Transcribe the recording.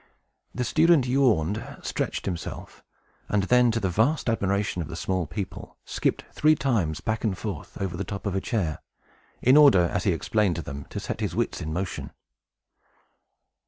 The student yawned, stretched himself, and then, to the vast admiration of the small people, skipped three times back and forth over the top of a chair, in order, as he explained to them, to set his wits in motion.